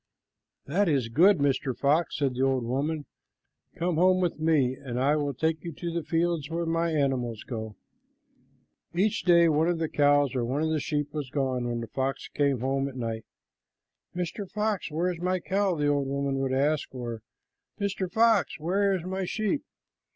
"That is good, Mr. Fox," said the old woman. "Come home with me, and I will take you to the fields where my animals go." Each day one of the cows or one of the sheep was gone when the fox came home at night. "Mr. Fox, where is my cow?" the old woman would ask, or, "Mr. Fox, where is my sheep?"